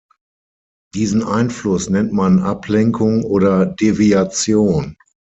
Diesen Einfluss nennt man Ablenkung oder Deviation.